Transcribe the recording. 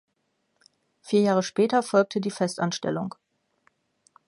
Vier Jahre später folgte die Festanstellung.